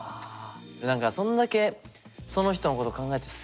何かそんだけその人のこと考えるとうん。